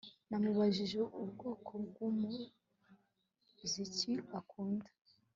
Namubajije ubwoko bwumuziki akunda